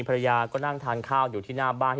ภรรยาก็นั่งทานข้าวอยู่ที่หน้าบ้าน